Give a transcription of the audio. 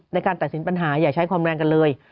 ในการตัดสินปัญหาอย่าใช้ความแรงกันเลย